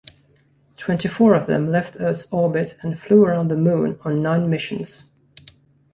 Twenty-four of them left Earth's orbit and flew around the Moon on nine missions.